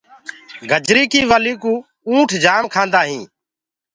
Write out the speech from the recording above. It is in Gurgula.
گجرينٚ ڪي ول اُنٺ جآم کآندآ هينٚ۔